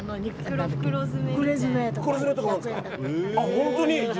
本当に？